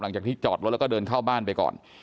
หลังจากที่จอดรถแล้วก็เดินเข้าบ้านไปก่อน